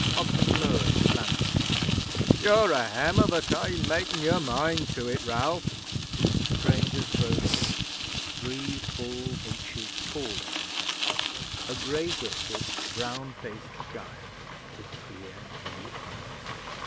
Hobden lowered his lanthorn. 'You're a hem of a time makin' your mind to it, Ralph!' The stranger strode in three full inches taller than Hobden, a grey whiskered, brown faced giant with clear blue eyes.